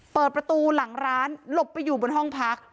เปิดประตูหลังร้านหลบไปอยู่บนห้องพัก